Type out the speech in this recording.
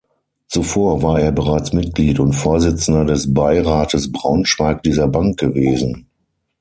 Zuvor war er bereits Mitglied und Vorsitzender des Beirates Braunschweig dieser Bank gewesen.